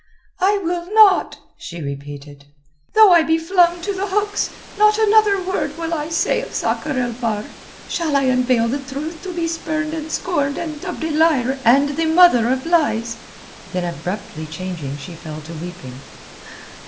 "I will not," she repeated. "Though I be flung to the hooks, not another word will I say of Sakr el Bahr. Shall I unveil the truth to be spurned and scorned and dubbed a liar and the mother of lies?" Then abruptly changing she fell to weeping.